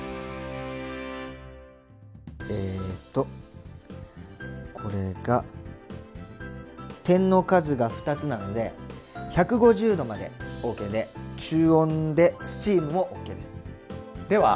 えっとこれが点の数が２つなので１５０℃までＯＫで中温でスチームもＯＫです。